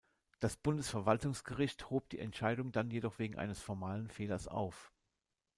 Das Bundesverwaltungsgericht hob die Entscheidung dann jedoch wegen eines formalen Fehlers auf.